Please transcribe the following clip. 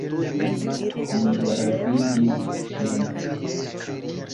Mi revidis ŝin!